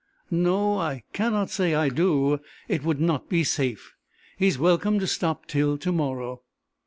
"No, I cannot say I do. It would not be safe. He is welcome to stop till to morrow."